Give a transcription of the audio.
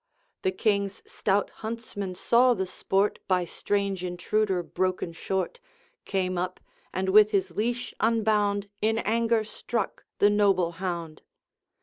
The King's stout huntsman saw the sport By strange intruder broken short, Came up, and with his leash unbound In anger struck the noble hound.